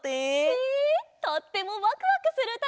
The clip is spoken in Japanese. へえとってもワクワクするうただよね！